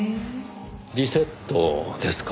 リセットですか。